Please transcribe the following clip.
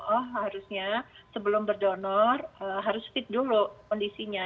oh harusnya sebelum berdonor harus fit dulu kondisinya